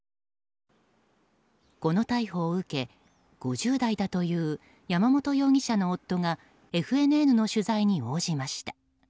この逮捕を受け、５０代だという山本容疑者の夫がＦＮＮの取材に応じました。